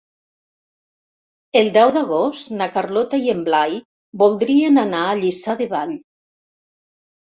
El deu d'agost na Carlota i en Blai voldrien anar a Lliçà de Vall.